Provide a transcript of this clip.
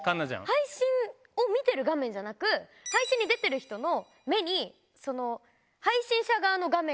配信を見てる画面じゃなく配信に出てる人の。